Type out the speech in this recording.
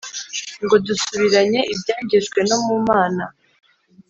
ngo dusubiranye ibyangijwe no mumana